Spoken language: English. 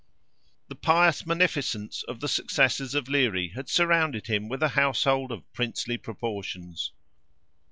The pious munificence of the successors of Leary, had surrounded him with a household of princely proportions.